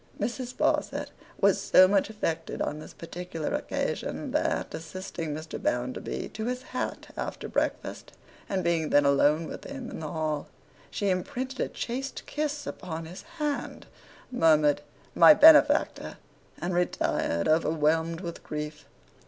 Mrs. Sparsit was so much affected on this particular occasion, that, assisting Mr. Bounderby to his hat after breakfast, and being then alone with him in the hall, she imprinted a chaste kiss upon his hand, murmured 'My benefactor!' and retired, overwhelmed with grief.